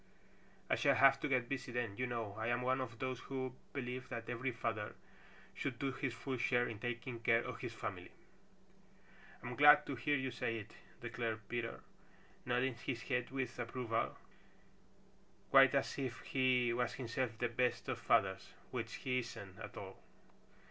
I shall have to get busy then. You know I am one of those who believe that every father should do his full share in taking care of his family." "I'm glad to hear you say it," declared Peter, nodding his head with approval quite as if he was himself the best of fathers, which he isn't at all.